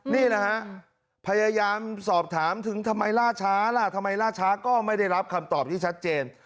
นี่แหละฮะพยายามสอบถามถึงทำไมล่าช้าล่ะทำไมล่าช้าก็ไม่ได้รับคำตอบที่ชัดเจน